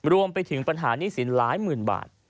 รวมไปถึงปัญหาหนี้สินหลายหมื่นบาท